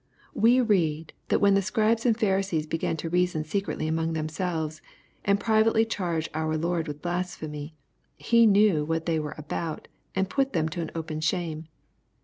We read that when the Scribes and Pharisees began to reason secretly among themselves, and privately charge our Lord with blas phemy, He knew what they were about and put them to an open shame.